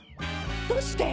どうして？